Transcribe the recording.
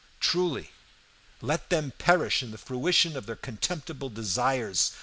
"Truly let them perish in the fruition of their contemptible desires!